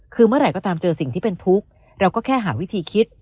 คือเมื่อไหร่ก็ตามเจอสิ่งที่เป็นทุกข์เราก็แค่หาวิธีคิด